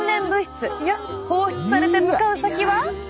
放出されて向かう先は。